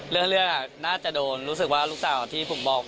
เลือดน่าจะโดนรู้สึกว่าลูกสาวที่ผมบอก